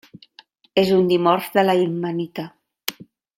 És un dimorf de la ilmenita.